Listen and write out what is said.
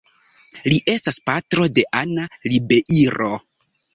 Li estas patro de Ana Ribeiro.